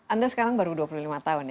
anda sekarang baru dua puluh lima tahun ya